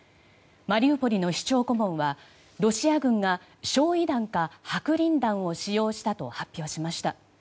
マリウポリの市長顧問はロシア軍が焼夷弾か白リン弾を使用したと発表しました。